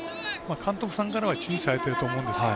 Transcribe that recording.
監督さんからは注意されていると思うんですが。